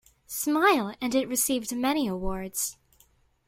Smile and it received many awards.